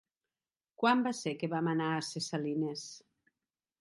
Quan va ser que vam anar a Ses Salines?